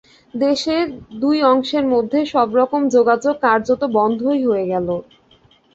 দেশের দুই অংশের মধ্যে সব রকম যোগাযোগ কার্যত বন্ধই হয়ে গেল।